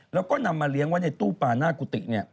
แล้วก็นำมาเลี้ยงไว้ในตู้ป่าหน้ากุฏิ